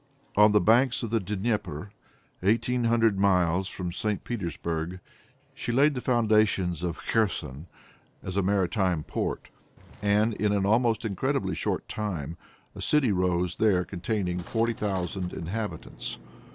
On the banks of the Dnieper, eighteen hundred miles from St. Petersburg, she laid the foundations of Kherson as a maritime port, and in an almost incredibly short time a city rose there containing forty thousand inhabitants.